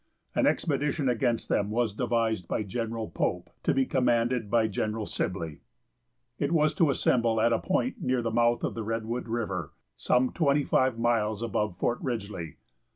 An expedition against them was devised by General Pope, to be commanded by General Sibley. It was to assemble at a point near the mouth of the Redwood river, some twenty five miles above Fort Ridgely.